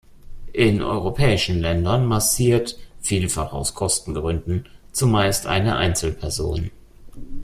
In europäischen Ländern massiert, vielfach aus Kostengründen, zumeist eine Einzelperson.